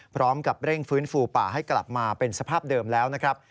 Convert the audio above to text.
พร้อมกับเร่งฟื้นฟูป่าให้กลับมาเป็นสภาพเดิมแล้วนะครับ